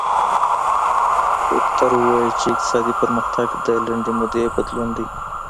شومپتر وويل چی اقتصادي پرمختيا د لنډې مودې بدلون دی.